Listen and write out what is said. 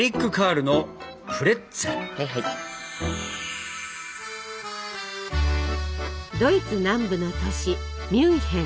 ドイツ南部の都市ミュンヘン。